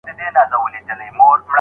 لارښود د ساینسي مجلو سره همکاري کوي.